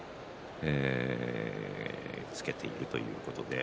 つけているということで。